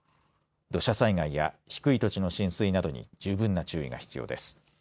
土砂災害や低い土地の浸水などに十分な注意が必要です。